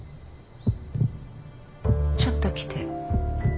ちょっと来て。